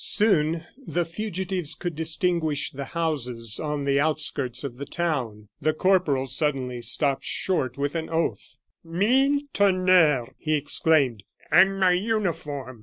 Soon the fugitives could distinguish the houses on the outskirts of the town. The corporal suddenly stopped short with an oath. "Mille tonnerres!" he exclaimed; "and my uniform!